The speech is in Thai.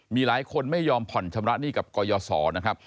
มีหลายคนไม่ยอมผ่อนชำระหนี้กับกรยศนะครับ